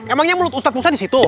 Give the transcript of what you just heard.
emangnya mulut ustadzah doyoi disitu